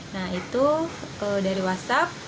nah itu dari whatsapp